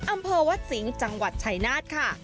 อำเภอวัดสิงห์จังหวัดชายนาฏค่ะ